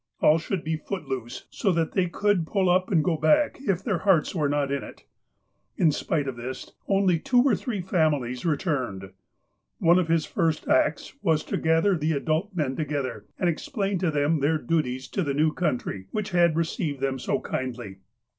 All should be foot loose, so that they could pull up and go back, if their hearts were not in it. In spite of this, only two or three families returned. One of his first acts was to gather the adult men to gether, and explain to them their duties to the new coun try, whicli had received them so kindly.